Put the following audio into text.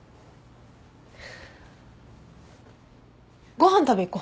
ご飯食べ行こう。